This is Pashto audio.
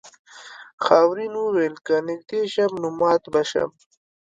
خاورین وویل که نږدې شم نو مات به شم.